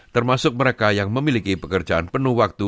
termasuk mereka yang memiliki pekerjaan penuh waktu